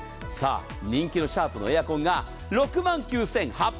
人気のシャープのエアコンが６万９８００円！